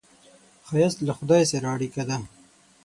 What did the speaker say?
ښایست له خدای سره اړیکه ده